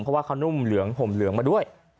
เพราะว่าเขานุ่มเหลืองห่มเหลืองมาด้วย